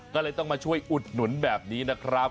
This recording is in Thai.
ก็เลยต้องมาช่วยอุดหนุนแบบนี้นะครับ